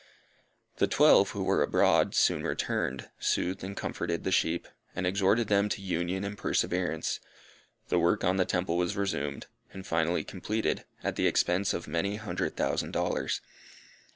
The Twelve, who were abroad, soon returned, soothed and comforted the sheep, and exhorted them to union and perseverance. The work on the temple was resumed, and finally completed, at an expense of many hundred thousand dollars.